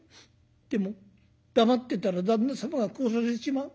でも黙ってたら旦那様が殺されちまう。